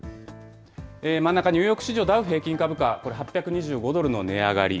真ん中、ニューヨーク市場ダウ平均株価、これ、８２５ドルの値上がり。